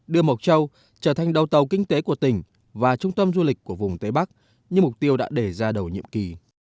đưa mộc châu trở thành đầu tàu kinh tế của tỉnh và trung tâm du lịch của vùng tây bắc như mục tiêu đã để ra đầu nhiệm kỳ